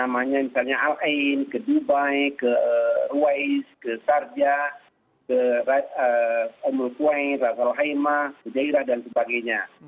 misalnya al ain ke dubai ke ruwais ke sarja ke omul kuwait rasul haimah ke jairah dan sebagainya